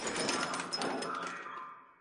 لټول یې په قران کي آیتونه